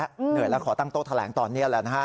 เหนื่อยแล้วขอตั้งโต๊ะแถลงตอนนี้แหละนะฮะ